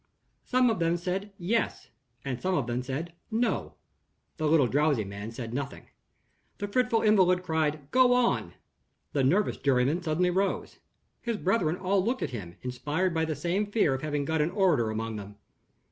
Some of them said "Yes," and some of them said "No." The little drowsy man said nothing. The fretful invalid cried, "Go on!" The nervous juryman suddenly rose. His brethren all looked at him, inspired by the same fear of having got an orator among them.